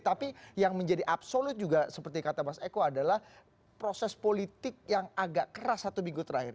tapi yang menjadi absolut juga seperti kata mas eko adalah proses politik yang agak keras satu minggu terakhir